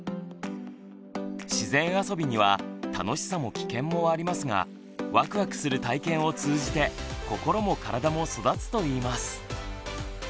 自然あそびには楽しさも危険もありますがワクワクする体験を通じて心も体も育つといいます。